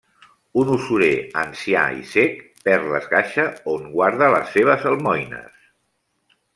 Un usurer ancià i cec perd la caixa on guarda les seves almoines.